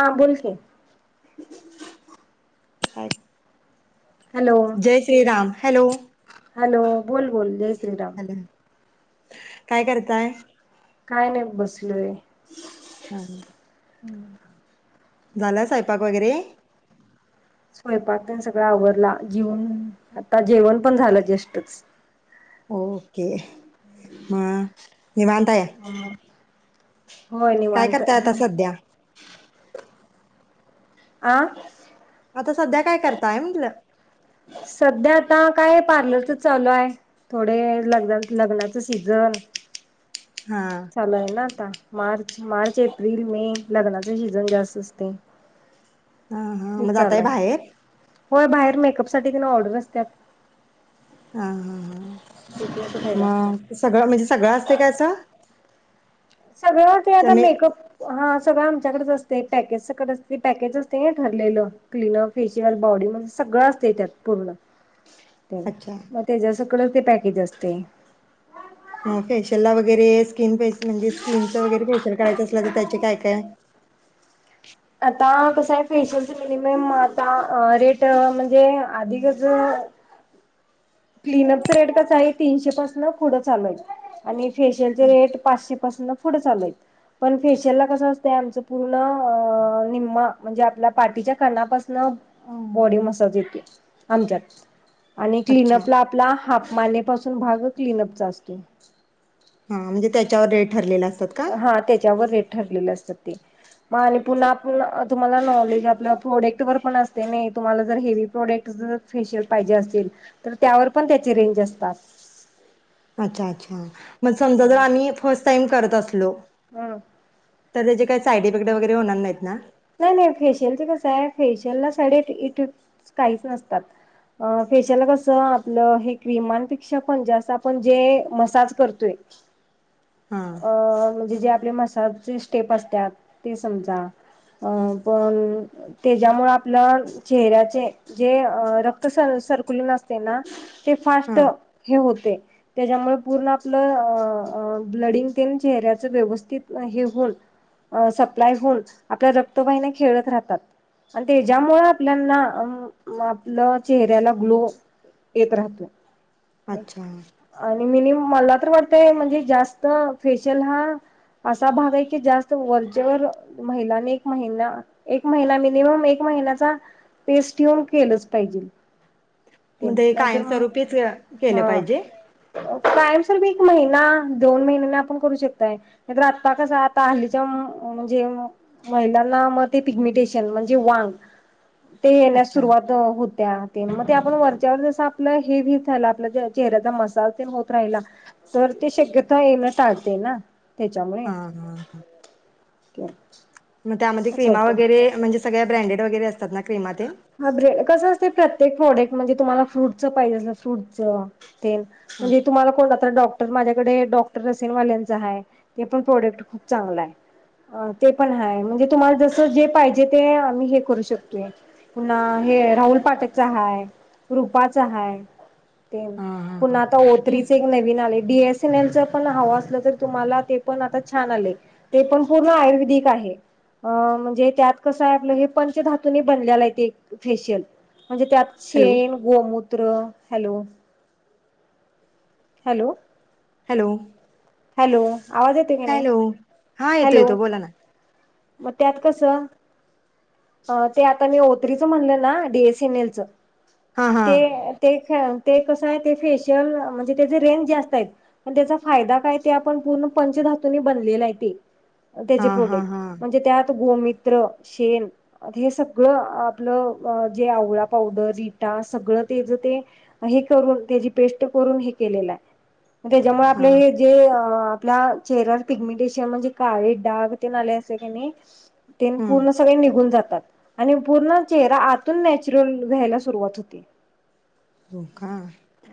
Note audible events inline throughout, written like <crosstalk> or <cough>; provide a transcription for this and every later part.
हां, बोल कि. काय? हॅलो! जय श्रीराम हॅलो! हॅलो! बोल बोल जय श्रीराम. हॅलो काय करतायं? काय नाही बसलोयं. हां. हम्म, झाला स्वयंपाक वगैरे? स्वयंपाक पण सगळा आवरला जेऊन आता जेवण पण झालं जष्टच. ओके हं निवांता आहे. हो काय निवांत. करताय आता सध्या आ. आता सध्या काय करताय म्हंटलं? सध्या आता काय पार्लरच चालू आहे. थोडे लग्न लग्नाचं सीझन. हा चालयं ना आता मार्च मार्च एप्रिल मे लग्नाचे सीझन जास्त असतयं. हं हं मग जातायं बाहेर. होय बाहेर मेकअपसाठी तीनं ऑर्डर असत्यात. हा हा हां तिथलं असं बाहेर असत्यात मग सगळं म्हणजे सगळं असते का असं? सगळं ते आता त्याने मेकअप हा सगळं आमच्याकडेच असते पॅकेजकडे असते पॅकेज असते हे ठरलेलं क्लीनअप फेशियल बॉडी म्हणजे सगळं असते त्यात पूर्ण. तर अच्छा मग तेच्यात सगळं ते पॅकेज असतंय. मग फेशियल ला वगैरे स्किन बेस म्हणजे स्किनचं वगैरे फेशियल करायचं असल तर त्याचे काय काय? आता कसं आहे फेशियलच मिनिमम आता रेट अं म्हणजे आधी कसं क्लीनअपच रेट कसा आहे तीनशे पसणं पुढं चालू आहे. आणि फेशियलचे रेट पाचशे पासनं पुढं चालू येत. पण फेशियल ला कसं असतं आमचं पूर्ण अ निम्म म्हणजे आपल्या पाठीच्या कानापासणं बॉडी मसाज येते आमच्यात आणि अच्छा क्लिनअप ला आपला हाफ मानेपासून भाग क्लिनअपचा असतो. हा म्हणजे त्याच्यावर रेट ठरलेला अस हा त्याच्यावर रेट ठरलेले असतात ते. हां आणि पुन्हा आपण तुम्हाला नॉलेज आपलं प्रोडेक्ट वर पण असते नाही तुम्हाला जर हेवी प्रोडेक्ट जर फेशियल पाहिजे असतील तर त्यावर पण त्याचे रेंज असतात. अच्छा, अच्छा, मग समजा जर आम्ही फर्स्ट टाइम करत असलो? हं तर त्याचे काही साईड इफेक्ट वगैरे होणार नाहीत ना नाही नाही फेशियला कस आहे फेशियल ला साडइ इफेक्ट काहीच नसतात. अ फेशयला कसं आपलं हे क्रीमांपेक्षा पण जास्त आपण जे मसाज करतोय. हां, अं म्हणजे जे आपले मसाजचे स्टेप असतात ते समजा. अं पण त्याच्यामुळं आपलं चेहऱ्याचे जे रक्त सरकुलन असतंय ना ते फास्ट हां. हे होते. त्याच्यामुळे पूर्ण आपलं अं ब्लडिंग तेन चेहऱ्याचं व्यवस्थित हे होन अं सप्लाय होऊन, आपल्या रक्तवाहिन्या खेळत राहतात. अन त्याच्यामुळे आपल्याना आपलं चेहऱ्याला ग्लो येत राहतो. अच्छा. आणि मीनी मला तर वाटतंय, म्हणजे जास्त फेशियल हा असा भाग आहे की, जास्त वरचेेवर महिलांनी महिना एक महिला मिनिमम एक महिन्याचा पेस्टीवल केलंच पाहिजे. ते मग नाही तर कायमस्वरूपीच अ, मग केलं हं पाहिजे? कायम स्वरुपी एक महिना, दोन महिन्याने, आपण करू शकताय. नाही तर आत्ता कसं आता हल्लीच्या म्हणजे महिलांना मग ते पिगमिटेशन, म्हणजे वांग ते येण्यास अच्छा. सुरुवात होत्या ते आपण वरच्यावर जसं, आपलं हे वित आपल्या चेहऱ्याचा मसाज तेन होत राहिला तर ते शक्यता येन टाळतंय ना, त्याच्यामुळे. हां, हां, हां. मग त्यामध्ये असं क्रीमा असं वगैरे, म्हणजे सगळ्या ब्रँडेड वगैरे असतात ना क्रीमा ते. हा ब्रेड कसं असते, प्रत्येक प्रोडक्ट म्हणजे तुम्हाला फ्रूटचं पाहिजे, अस फ्रूटचं. तेन, हां, म्हणजे तुम्हाला कोणता तर डॉक्टर माझ्याकडे डॉक रसीनवाल्यांचं हाय, ते पण प्रोडक्ट खूप चांगलाय. अं ते पण हाय, म्हणजे तुम्हाला जसं जे पाहिजे ते, आम्ही हे करू शकतोय. पुन्हा हे राहुल पाठकचं हाय, रुपाच हाय. ते हां, हां, हां. पुन्हा आता ओत्रीचं एक नवीन आलंय. डी एस एन एलचं पण हवं असलं तर तुम्हाला, ते पण आता छान आलंय. ते पण पूर्ण आयुर्वेदिक आहे. अं म्हणजे त्यात कसं आहे, आपलं हे पंचधातूने बनल्यालय. फेशियल म्हणजे त्यात हॅलो, शेण, गोमूत्र, हॅलो हॅलो? हॅलो. हॅलो, आवाज येत हॅलो, हा येतो येतो बोला ना. म त्यात कसं अं ते आता मी ओत्रीच म्हणलं ना, डीएसएनएलच हां, हां. ते ते ते कसं आहे ते फेशियल म्हणजे, त्याचे रेंजे जास्त आहेत. पण त्याचा फायदा काये ते आपण पूर्ण पंचधातूने बनलेलं आहे ते. त्याचे हां, हां, प्रोडक्ट हां, म्हणजे त्यात गोमित गोमूत्र, शेण हे सगळं आपलं जे आवळा पावडर, रिटा सगळं तेज ते हे करून, त्याची पेस्ट करून हे केलेला आहे. त्याच्यामुळे आपले हां, हे ते आपल्या चेहऱ्यावर पिगमीटेशन, म्हणजे काळे डाग तेन आले असले का नाही तेन हं. पूर्ण सगळे निघून जातात. आणि पूर्ण चेहरा आतून नॅचरल व्हयला सुरुवात होते. हो का?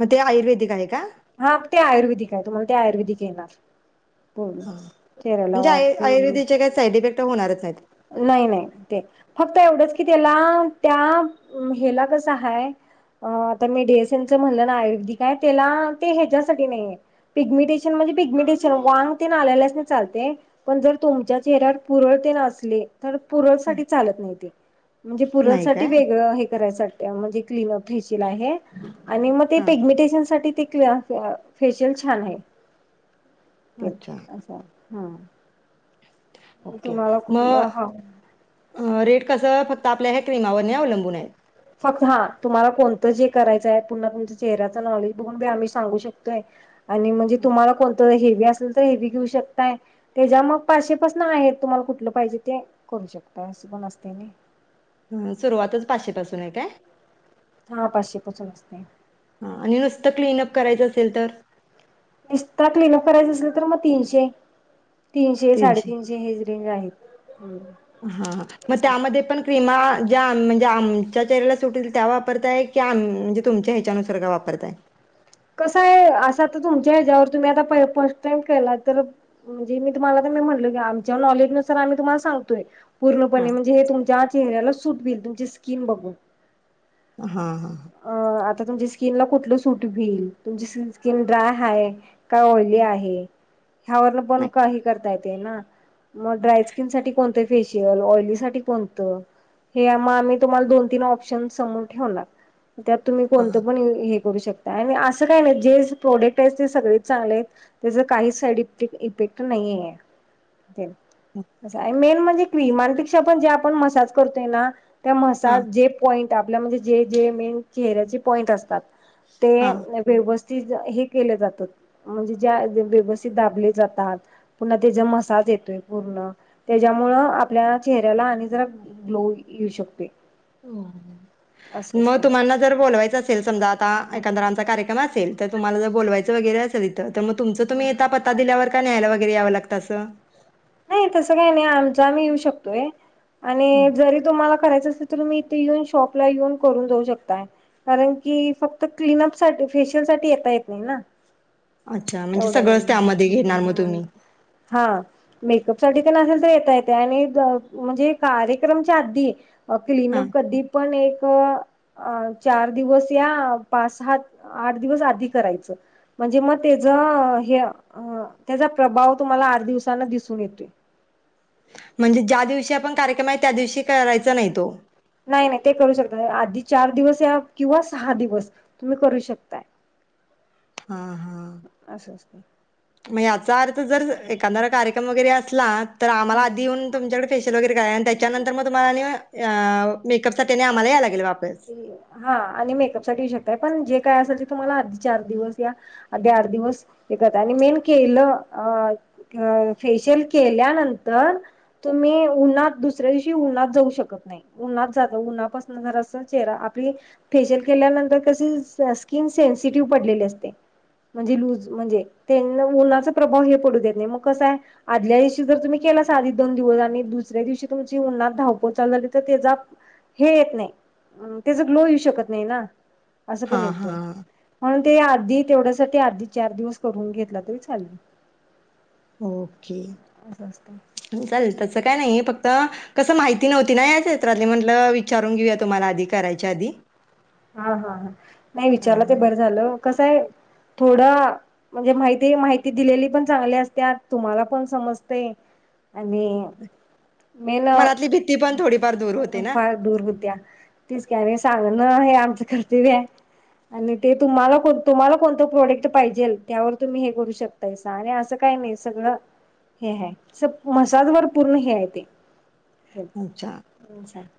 मग ते आयुर्वेदिक आहे का? हा ते आयुर्वेदिक आहे. तुम्हाला ते आयुर्वेदिक येणार. हो, हां. चेहऱ्याला म्हणजे वाफ आय तेन घेऊन. आयुर्वेदिकचे काही साईड इफेक्ट होणारच नाहीत? नाही नाही, ते फक्त एवढंच की ते लांब त्याम हेला कसं हाय अ आता मी डिएसनचं म्हणलं ना आयुर्वेदिक आहे. त्याला ते ह्याच्यासाठी नाहीये. पिगमिटेशन म्हणजे पिगमिटेशन, वांग तेन आलेल्यासनी चालतंय. पण जर तुमच्या चेहऱ्यावर पुरळ तेन असले, तर पुरळ हं. साठी चालत नाही ते. म्हणजे नाही काय? पुरळसाठी वेगळं हे करायसाठी म्हणजे क्लीनअप, फेशियल आहे. आणि मग ते हां. पेगमिटेशन साठी ते क्ली अ फेशियल छान आहे. तेन अच्छा अस, हा ओके, तुम्हाला म कुठलं हा रेट कसं फक्त आपल्या ह्या क्रीमावरनी अवलंबून आहेत. फक्त हा तुम्हाला कोणतं जे करायचय, पुन्हा तुमच्या चेहऱ्याच नॉलेज बघून बी आम्ही सांगू शकतोय. आणि म्हणजे तुम्हाला कोणतं हेवी असेल तर हेवी घेऊ शकताय तेजा मग पाशेपासन आहेत, तुम्हाला कुठलं पाहिजे ते करू शकताय असं पण असतय नयी. हम्म, सुरुवातच पाचशे पासून आहे काय? हा पाचशे पासून असतय. हा, आणि नुसतं क्लीन अप करायचं असेल तर? निसता क्लीनअप करायचा असेल तर मग तीनशे, तीनशे साडेतीनशे जे हेच रेंज आहेत, हम्म हा हा, म त्यामध्ये पण क्रिमा ज्या म्हणजे आमच्या चेहऱ्याला सुट होईल त्या वापरताय की आम म्हणजे तुमच्या ह्याच्यानुसार का वापरताय. कस आहे अस तर तुमच्या ह्याच्यावर तुम्ही आता फर्स्ट टाइम केला तर म्हणजे मी तुम्हाला पण मी म्हटलं की, आमच्या नॉलेज नुसार आम्ही तुम्हाला सांगतोय हां पूर्णपणे म्हणजे हे तुमच्या चेहऱ्याला सूट व्हील तुमची स्किन बघुन. हा हा हा अ आता तुमच्या स्किन ला कुठलं सूट व्हील, तुमची स्किन ड्राय हाय काय ऑईली आहे, ह्या वरन पण नाही काही करता येतय ना मग ड्राय स्किन साठी कोणतं फेशियल, ऑइली साठी कोणत हे मग आम्ही तुम्हाला दोन-तीन ऑप्शन समोर ठेवणार. त्यात तुम्ही कोणतं हां पण हे करू शकताय आणि असं काय नाही, जे प्रोडक्ट आहेत ते सगळेच चांगले आहेत तेज काहीच साईड इफेक इफेक्ट नाहिये तेन, मेन म्हणजे क्रिमांपेक्षा पण जे आपण मसाज करतोय ना त्या हां मसाज, जे पॉईंट आपल्या म्हणजे जे जे मेन चेहऱ्याचे पॉईंट असतात ते हां व्यवस्थित हे केले जातात म्हणजे ज्या व्यवस्थित दाबले जातात पुन्हा त्याचा मसाज येतोय पूर्ण, त्याच्यामुळं आपल्या चेहऱ्याला आणि जरा ग्लो येऊ शकतोय. मग तुम्हाना जर बोलवायचं असेल समजा आता एकंदरा आमचा कार्यक्रम असेल तर तुम्हाला जर बोलवायच वगैरे असेल इथ, तर मग तुमच तुम्ही येता पत्ता दिल्यावर का न्यायला वगैरे यावं लागत असं? नाही तसं काही नाही आमच आम्ही येऊ शकतोय, हा, आणि जरी तुम्हाला करायचं अस तर तुम्ही इथे येऊन शॉपला येऊन करून जाऊ शकताय. कारण की, फक्त क्लीनअप साठी फेशियल साठी येता येत नाही ना. अच्छा म्हणजे एवढ्या सगळंच त्यामध्ये लांब. घेणार म तुम्ही. हा मेकअप साठी तेन असेल तर येता येतय आणि त म्हणजे कार्यक्रमच्या आधी अ हा क्लीनअप कधी पण एक अ अ चार दिवस या पाच, सहा, आठ दिवस आधी करायचं. म्हणजे मग त्याच हे अ त्याचा प्रभाव तुम्हाला आठ दिवसांन दिसून येतोय. म्हणजे ज्या दिवशी आपण कार्यक्रम आहे त्या दिवशी करायचा नाही तो. नाही नाही ते करू शकताय, आधी चार दिवस या किंवा सहा दिवस तुम्ही करू शकताय. हा हा. असं असतं ‌. म याचा अर्थ जर, एखाद्याचा कार्यक्रम वगैरे असला, तर आम्हाला आधी ईऊन तुमच्याकडे फेशिल वगैरे काय हाय, त्याच्यांतर मग तुम्हाला आणी अ मेकअप साठी आणि आम्हाला यायला लागेल वापस. हा तरआणि मेकअप साठी येऊ शकताय, पण जे काय असेल ते तुम्हाला आधी चार दिवस या आधी आठ दिवस हे करत्यात,, आणि मेन केलं अ अ फेशियल केल्यानंतर तुम्ही उन्हात, दुसऱ्या दिवशी उन्हात जाऊ शकत नाही, उन्हात जाता उन्हापासनं जरासं चेहरा,, आपली, फेशियल केल्यानंतर कशी स्किन सेन्सिटिव्ह पडलेली असत्या. म्हणजे लूज म्हणजे, त्येन उन्हाचा प्रभाव हे पडू देत नाही, मग कसाय आदल्या दिवशी जर तुम्ही केलासा आधी दोन दिवस,, आणि दुसऱ्या दिवशी तुमची उन्हात धावपळ चालू झाली तर त्येजा हे येत नाही,, त्याचा ग्लो येऊ शकत नाही ना,, असं हा पण येतय. हा म्हणून ते आधी तेवढ्यासाठी आधी चार दिवस करून घेतला तरी चालेल. ओके, असं असतं चालेल तसं काय नाही फक्त कसं माहिती नव्हती ना या क्षेत्रातली,, म्हटलं विचारून घेऊया तुम्हाला आधी करायच्या आधी. हा हा, नाही विचारलं ते अं बरं झालं,, कसाय थोडं म्हणजे माहिती माहिती दिलेली पण चांगली असत्या, तुम्हाला पण समजतय आणि, मेन मनातली भीती पण थोडीफार दूर त्याच होते ना फळ दूर होत्या,, तेच की आणि सांगणं, हे आमचं कर्तव्य आय. आणि ते तुम्हाला कोणत, तुम्हाला कोणूत प्रोडक्ट पाहिजेल त्यावर तुम्ही हे करू शकता यसा, आणी असं काय नाही सगळं हे हाय, मसाजवर पूर्ण हे हाय ते. अच्छा,,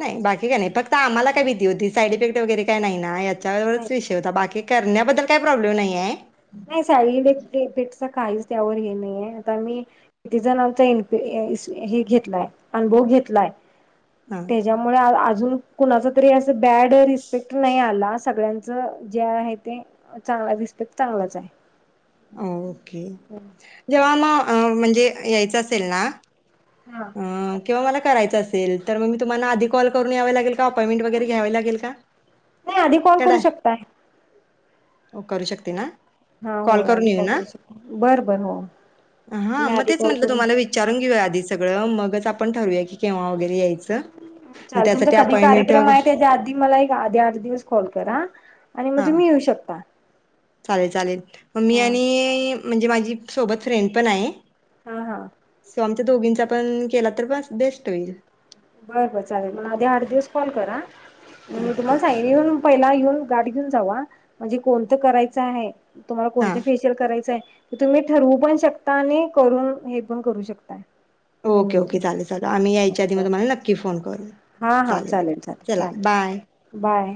नाही बाकी काय नाही, फक्त आम्हाला काय भीती होती, साईड इफेक्ट वगैरे काय नाही ना यात. त्याच्यावरच विषय होता, बाकी करण्याबद्दल काही प्रॉब्लेम नाहीयेय. नाही साईड इफेक्ट काहीच त्यावर हे नाहीयेय, आता मी किती जणांचा ईनफि हे घेतलाय, अनुभव घेतलाय. हां त्याच्यामुळे आजुन कुणाचा तरी अस बॅड रिस्पेक्ट नाही आला,, सगळ्यांचा सगळ्यांच जे आहे ते, चांगला रीस्पेक्ट चांगलाच हाय. अ ओके, जेव्हा म अ म्हणजे यायचं असेल ना हा किंवा मला करायचं असेल तर मग मी तुम्हाला आधी कॉल करून यावे लागेल, का अपॉइंटेट वगैर घ्यावी लागेल का? <inaudible> नाही आधी कॉल करू काय शकताय. करू शकते ना. हा हो कॉल करून आधी येऊ ना,, करू शकता बर बर हो हा तुम्ही मग आधी तेच कॉल म्हटलं करून तुम्हाला विचारून विचारून घेऊया आधी सगळं, मगच आपण ठरूया की केव्हा वगैरे यायचं. मग चालल तुमचा त्यासाठी कधी अपॉइंटमेंट कार्यक्रम आहे, वगैरे त्याच्या आधी मला एक आधी आठ दि दिवस कॉल करा, आणि मग हा तुम्ही येऊ शकता. चालेल चालेल, म मी हा आणि म्हणजे माझी सोबत फ्रेंड पण आहे हा हा. सो आमच्या दोघींचा पण केला तरी पण बेस्ट होईल. बर बर चालेल, मला आधी आड दिवस कॉल करा, म मी ओके तुम्हाला सांगेल. तरी पण पहिला येऊन गाठ घेऊन जावा म्, हणजे कोणतं करायचं आहे, तुम्हाला हा कोणतं फेशियल फेशिअल करायच हाय, ते तुम्ही ठरवू पण शकता आणि करून, हे पण करू शकताय. ओके ओके चालेल चालल, आम्ही यायच्या आधी म चालेल तुम्हाला नक्की फोन करू. हा हा चालेल चालेल चला चालेल, बाय. बाय.